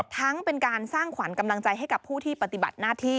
ทั้งเป็นการสร้างขวัญกำลังใจให้กับผู้ที่ปฏิบัติหน้าที่